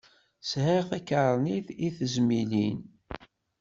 Sεiɣ takarnit i tezmilin.